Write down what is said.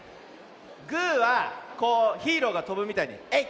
グーはこうヒーローがとぶみたいにえい！